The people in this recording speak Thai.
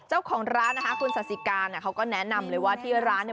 เจ้าของร้านนะคะคุณสาธิกาเนี่ยเขาก็แนะนำเลยว่าที่ร้านเนี่ย